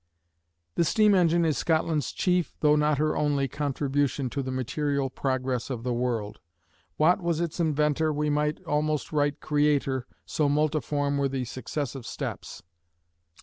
The steam engine is Scotland's chief, tho not her only contribution to the material progress of the world. Watt was its inventor, we might almost write Creator, so multiform were the successive steps.